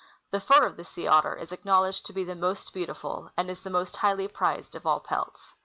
The fur of the sea otter is acknowledged to be the most beautiful, and is the most highly prized of all pelts.